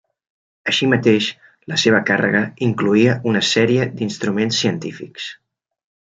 Així mateix, la seva càrrega incloïa una sèrie d'instruments científics.